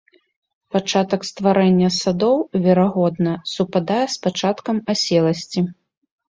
Пачатак стварэння садоў, верагодна, супадае з пачаткам аселасці.